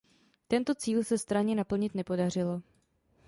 Tento cíl se straně naplnit nepodařilo.